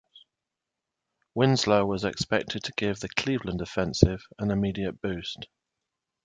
Winslow was expected to give the Cleveland offense an immediate boost.